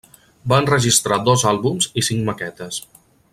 Va enregistrar dos àlbums i cinc maquetes.